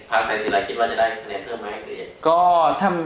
ภาคไทยศิลป์คิดว่าจะได้คะแนนเพิ่มไหม